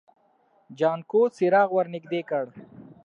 جانکو څراغ ور نږدې کړ.